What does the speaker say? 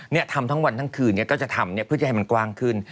ทำทั้งวันทั้งคืนเนี่ยก็จะทำเนี่ยเพื่อจะให้มันกว้างขึ้น